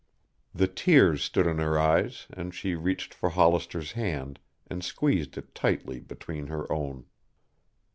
The tears stood in her eyes and she reached for Hollister's hand, and squeezed it tightly between her own.